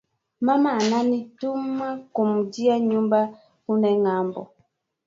Mama anani tuma kumujia nyumba kule ngambo